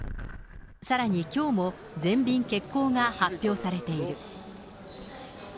さらにきょうも全便欠航が発表されている。